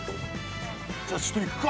じゃあちょっといくか。